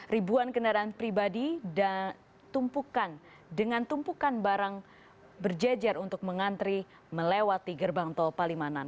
ribuan kendaraan pribadi dengan tumpukan barang berjejer untuk mengantri melewati gerbang toa palimanan